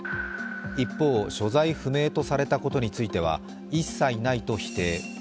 一方、所在不明とされたことについては一切ないと否定。